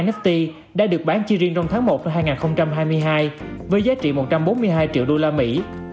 một trăm bốn mươi bốn nft đã được bán chi riêng trong tháng một hai nghìn hai mươi hai với giá trị một trăm bốn mươi hai triệu đô la mỹ